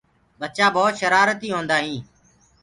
ٻچآ ڀوت شرآرتي هوندآ هينٚ۔